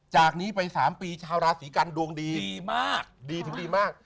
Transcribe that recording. จากนี้ไป๓ปีชาวราศรีกัณฑ์ดวงดีดีถึงดีมาก